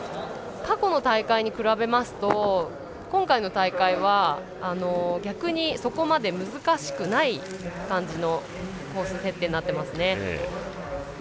過去の大会に比べますと今回の大会は逆に、そこまで難しくない感じのコース設定になっていますね。